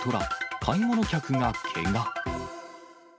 買い物客がけが。